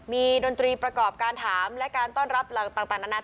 ดนตรีประกอบการถามและการต้อนรับต่างนานา